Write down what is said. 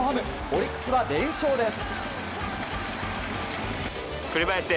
オリックスは連勝です。